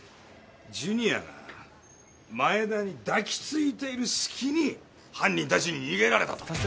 ジュニアが前田に抱き付いている隙に犯人たちに逃げられたと。